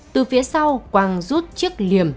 từ phía sau quang rút chiếc liềm